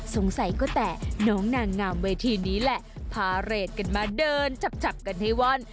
สงสัยก็แต่น้องนางงามเวทีนี้แหละพาเรทกันมาเดินจับจับกันให้ว่อน